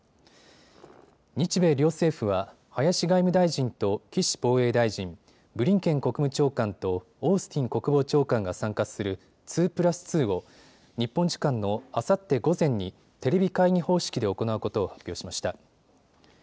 日米両政府は林外務大臣と岸防衛大臣、ブリンケン国務長官とオースティン国防長官が参加する２プラス２を日本時間のあさって午前にテレビ会議方式で行うことを発表しました。